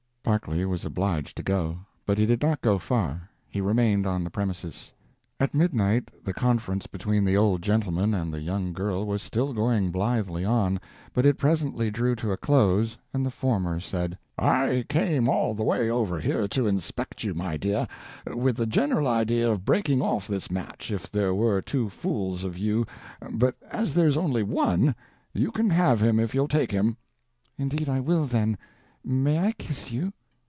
Berkeley was obliged to go. But he did not go far. He remained on the premises. At midnight the conference between the old gentleman and the young girl was still going blithely on, but it presently drew to a close, and the former said: "I came all the way over here to inspect you, my dear, with the general idea of breaking off this match if there were two fools of you, but as there's only one, you can have him if you'll take him." "Indeed I will, then! May I kiss you?"